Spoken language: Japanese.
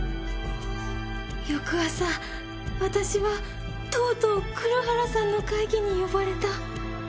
翌朝私はとうとう黒原さんの会議に呼ばれた